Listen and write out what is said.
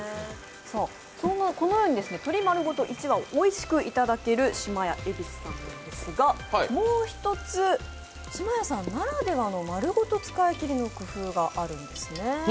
このように鶏丸ごと１羽をおいしくいただけるしまや恵比須さんなんですがもう一つ、しまやさんならではの丸ごと使い切りがあるんですね。